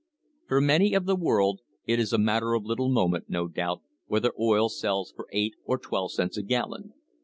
* For many of the world it is a matter of little moment, no doubt, whether oil sells for eight or twelve cents a gallon.